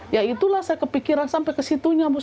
ya itulah saya kepikiran sampai ke situ nyambut